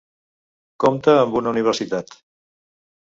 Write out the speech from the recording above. Compta amb una universitat.